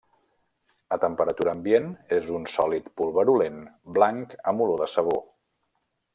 A temperatura ambient és un sòlid pulverulent blanc amb olor de sabó.